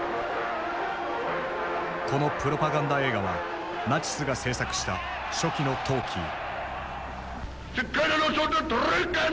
このプロパガンダ映画はナチスが製作した初期のトーキー。